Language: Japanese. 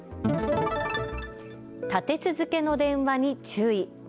立て続けの電話に注意。